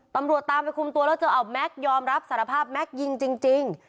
ตำรวจตามไปคุมตัวแล้วเจอเอาแม็กซ์ยอมรับสารภาพแม็กซ์ยิงจริง